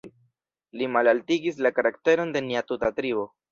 Li malaltigis la karakteron de nia tuta tribo.